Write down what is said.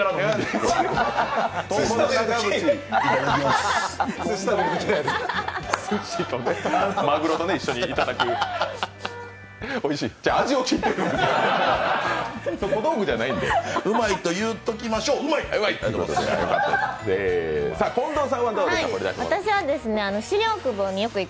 うまいと言うときましょう、うまい！